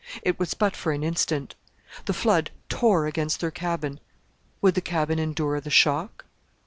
It was but for an instant. The flood tore against their cabin. Would the cabin endure the shock?